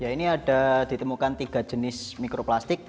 ini ada ditemukan tiga jenis mikroplastik